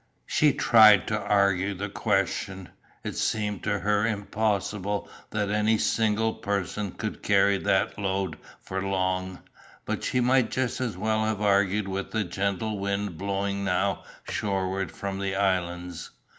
She tried to argue the question. It seemed to her impossible that any single person could carry that load for long, but she might just as well have argued with the gentle wind blowing now shorewards from the islands.